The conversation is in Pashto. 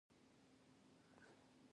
آیا افغاني محصولات لیبل لري؟